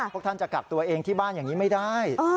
พวกท่านจะกักตัวเองที่บ้านอย่างนี้ไม่ได้